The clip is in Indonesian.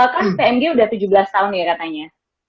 kan pmg sudah tujuh belas tahun ya katanya